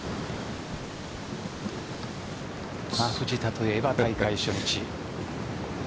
藤田といえば大会初日。